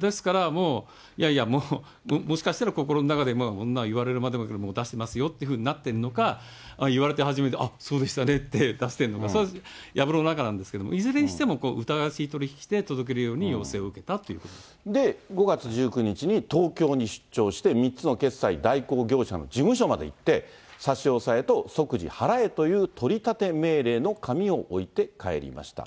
ですからもう、いやいや、もしかしたら心の中で、こんなん言われるまでもなく出しますよっていうふうになっているのか、言われて初めて、あっ、そうでしたねって出してるのか、それはやぶの中なんですけれども、いずれにしても疑わしい取り引きとして届け出るように要請を受けで、５月１９日に東京に出張して、３つの決済代行業者の事務所まで行って、差し押さえと、即時払えという取り立て命令の紙を置いて帰りました。